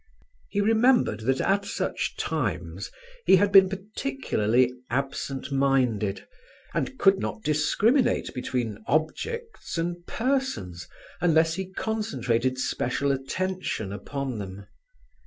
He remembered that at such times he had been particularly absentminded, and could not discriminate between objects and persons unless he concentrated special attention upon them.